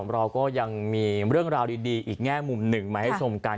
เราก็ยังมีเรื่องราวดีอีกแง่มุมหนึ่งมาให้ชมกัน